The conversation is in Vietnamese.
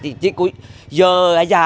thì chỉ có giờ